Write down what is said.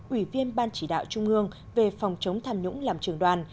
ủy viên ban chỉ đạo trung ương về phòng chống tham nhũng làm trường đoàn